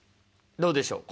どうでしょう？